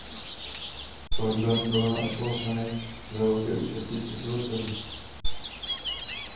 Pohřben byl na Olšanech za velké účasti spisovatelů.